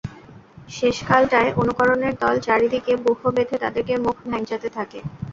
শেষকালটায় অনুকরণের দল চারি দিকে ব্যূহ বেঁধে তাদেরকে মুখ ভ্যাংচাতে থাকে।